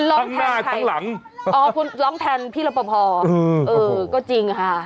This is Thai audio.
ทั้งหน้าทั้งหลังอ๋อคุณร้องแทนพี่รปภเออก็จริงค่ะ